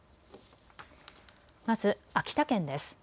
まず秋田県です。